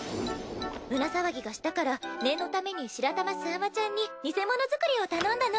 胸騒ぎがしたから念のために白玉すあまちゃんに偽物作りを頼んだの。